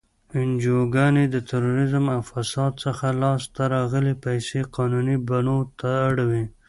انجوګانې د تروریزم او فساد څخه لاس ته راغلی پیسې قانوني بڼو ته اړوي.